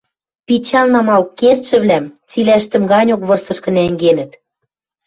Пичӓл намал кердшӹвлӓм цилӓштӹм ганьок вырсышкы нӓнгенӹт.